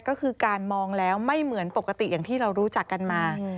ก็คือการมองแล้วไม่เหมือนปกติอย่างที่เรารู้จักกันมา